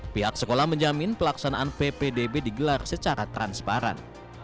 pihak sekolah menjamin pelaksanaan ppdb digelar secara transparan